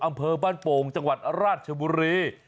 อำเภอบ้านโป่งจังหวัดราชบุรี